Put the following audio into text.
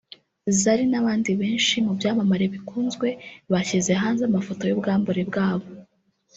Zari n’abandi benshi mu byamamare bikunzwe bashyize hanze amafoto y’ubwambure bwabo